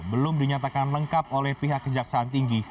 belum dinyatakan lengkap oleh pihak kejaksaan tinggi